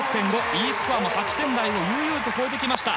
Ｅスコアも８点台を悠々と超えてきました。